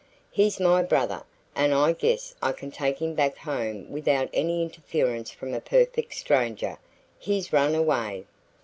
"He's my brother, and I guess I can take him back home without any interference from a perfect stranger. He's run away."